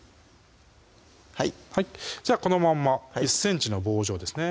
はいはいじゃあこのまんま１ｃｍの棒状ですね